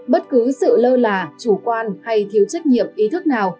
bất cứ sự lơ là chủ quan hay thiếu trách nhiệm ý thức nào